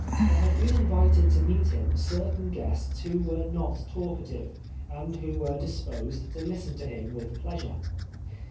There had been invited to meet him certain guests who were not talkative, and who were disposed to listen to him with pleasure.